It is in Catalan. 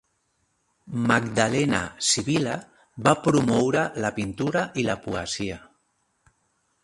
Magdalena Sibil·la va promoure la pintura i la poesia.